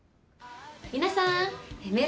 皆さん。